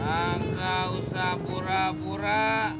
enggak usah pura pura